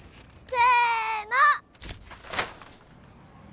せの。